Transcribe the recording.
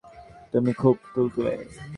তুমি খুব তুলতুলে!